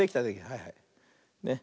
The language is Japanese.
はいはい。ね。